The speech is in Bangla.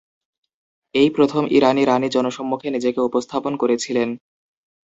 এই প্রথম ইরানি রাণী জনসমক্ষে নিজেকে উপস্থাপন করেছিলেন।